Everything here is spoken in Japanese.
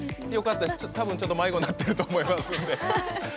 たぶん、迷子になってると思いますんで。